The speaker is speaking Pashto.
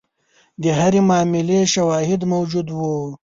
د هرې معاملې شواهد موجود وو.